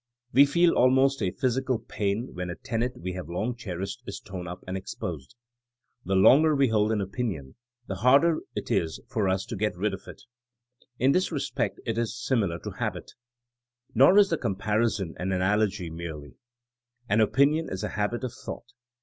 We feel almost a physical pain when a tenet we have long cherished is torn up and exposed. The longer we hol^ an opinion, the harder it is for us to get rid of it. In this respect it is similar to habit. Nor is the comparison an analogy merely. An opinion is a habit of thought.